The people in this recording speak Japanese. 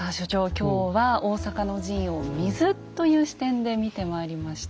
今日は大坂の陣を「水」という視点で見てまいりました。